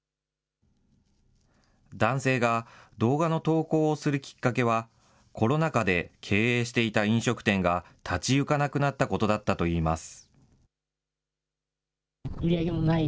男性が動画の投稿をするきっかけは、コロナ禍で経営していた飲食店が立ち行かなくなったことだったといいます。